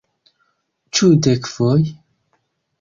Ĉu dekfoje?